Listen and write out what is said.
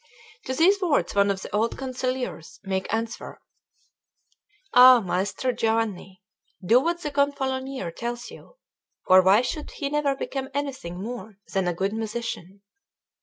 To these words one of the old counsellors made answer: "Ah! Maestro Giovanni, do what the Gonfalonier tells you! for why should he never become anything more than a good musician?"